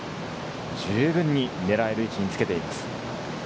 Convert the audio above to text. じゅうぶんに狙える位置につけています。